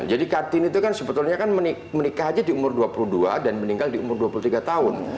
jadi kartini itu kan sebetulnya kan menikah aja di umur dua puluh dua dan meninggal di umur dua puluh tiga tahun